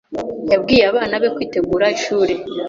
yabwiye abana be kwitegura ishuri.